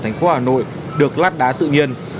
thành phố hà nội được lát đá tự nhiên